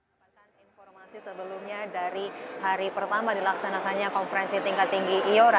saya mendapatkan informasi sebelumnya dari hari pertama dilaksanakannya konferensi tingkat tinggi ayora